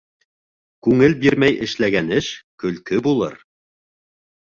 Күңел бирмәй эшләгән эш көлкө булыр.